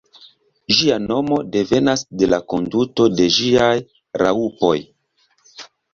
Ĝia nomo devenas de la konduto de ĝiaj raŭpoj.